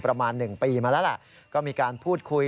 ประมาณ๑ปีมาแล้วล่ะก็มีการพูดคุย